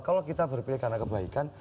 kalau kita berpikir karena kebaikan